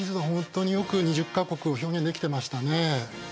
本当によく２０か国を表現できてましたね。